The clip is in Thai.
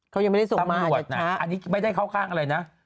เขายังไม่ได้ส่งตำรวจนะอันนี้ไม่ได้เข้าข้างอะไรนะ